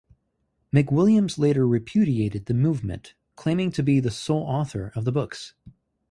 McWilliams later repudiated the movement, claiming to be the sole author of the books.